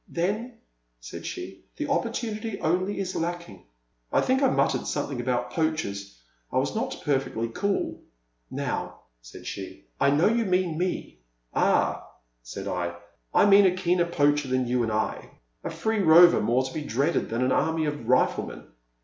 Tlien, said she, the opportunity only is lacking/' I think I muttered something about poachers — I was not perfectly cool. Now," said she, I know you mean me 1 '*'* Ah,'* said I, '* I mean a keener poacher than you or I, a free rover more to be dreaded than an army of riflemen